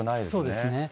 そうですね。